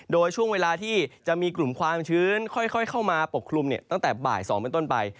โดยช่วงเวลาที่จะมีกลุ่มความชื้นค่อยเข้ามาปกคลุมตั้งแต่บ่าย๒เป็นต้นไป